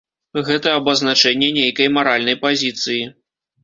Гэта абазначэнне нейкай маральнай пазіцыі.